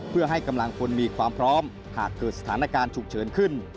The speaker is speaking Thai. เพื่อให้กำลังคนมีความพร้อมหากเกิดสถานการณ์ฉุกเฉินขึ้น